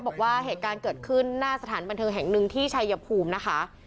บอกว่าเหตุการณ์เกิดขึ้นหน้าสถานบันเทิงแห่งหนึ่งที่ชัยภูมินะคะ